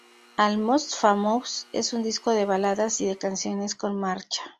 Almost Famous es un disco de baladas y de canciones con marcha.